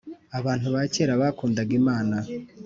Abantu bakera bakundaga imana.